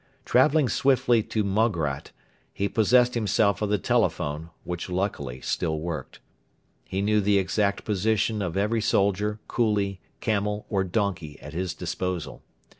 Travelling swiftly to Moghrat, he possessed himself of the telephone, which luckily still worked. He knew the exact position or every soldier, coolie, camel, or donkey at his disposal.